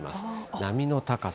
波の高さ。